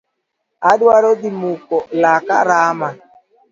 Adwaro dhi muko laka rama.